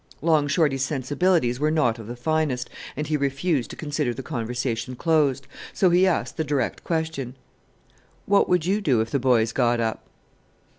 Long Shorty's sensibilities were not of the finest, and he refused to consider the conversation closed; so he asked the direct question, "What would you do if the boys got up?"